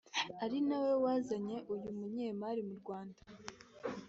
ari na we wazanye uyu munyemari mu Rwanda